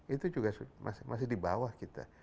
itu juga masih di bawah kita